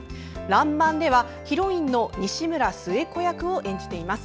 「らんまん」では、ヒロインの西村寿恵子役を演じています。